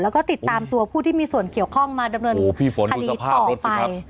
แล้วก็ติดตามตัวผู้ที่มีส่วนเกี่ยวข้องมาดำเนินคดีต่อไป